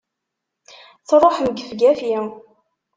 Truḥem gefgafi!